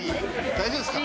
大丈夫ですか？